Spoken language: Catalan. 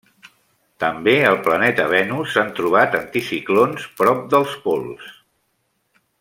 També al planeta Venus s'han trobat anticiclons prop dels pols.